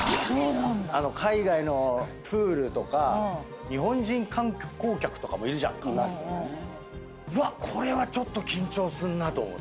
あの海外のプールとか日本人観光客とかもいるじゃんかうわっこれはちょっと緊張すんなと思う